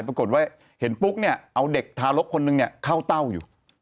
ปรากฏว่าเห็นปุ๊กเนี่ยเอาเด็กทารกคนนึงเข้าเต้าอยู่